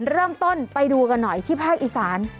เริ่มต้นไปดูกันหน่อยที่ภาคอีสาน